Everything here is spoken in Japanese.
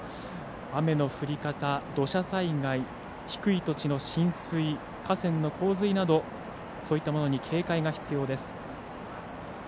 雨の降り方、土砂災害低い土地の浸水河川の洪水などそういったものに警戒が必要です。